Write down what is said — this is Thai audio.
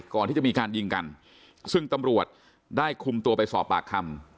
ก่อนที่จะมีการยิงกันซึ่งตำรวจได้คุมตัวไปสอบปากคำ